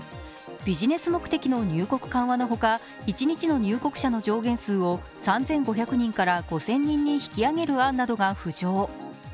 ビジネス目的の入国の緩和の他、一日の入国者の上限数を３５００人から５０００人に引き上げる案などが浮上。